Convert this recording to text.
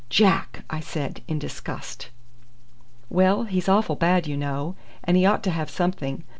"Jack!" I said in disgust. "Well, he's awful bad, you know, and he ought to have something.